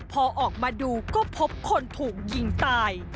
พอออกมาดูก็พบคนถูกยิงตาย